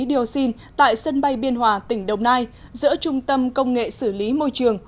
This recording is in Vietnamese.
dioxin tại sân bay biên hòa tỉnh đồng nai giữa trung tâm công nghệ xử lý môi trường